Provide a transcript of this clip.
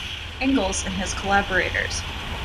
Ingalls and his collaborators.